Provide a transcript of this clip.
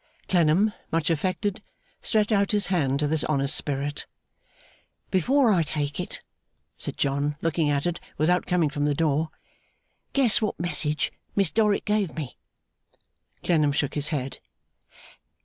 Clennam, much affected, stretched out his hand to this honest spirit. 'Before I take it,' said John, looking at it, without coming from the door, 'guess what message Miss Dorrit gave me.' Clennam shook his head.